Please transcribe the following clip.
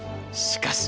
しかし？